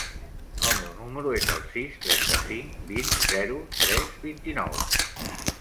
El meu número es el sis, trenta-cinc, vint, zero, tres, vint-i-nou.